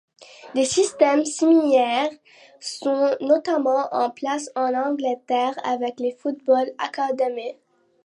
Des systèmes similaires sont notamment en place en Angleterre avec les Football Academy.